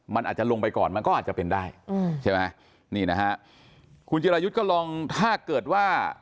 มันอาจจะลงไปก่อนมันก็อาจจะเป็นได้อืมใช่ไหมนี่นะฮะคุณจิรายุทธ์ก็ลองถ้าเกิดว่า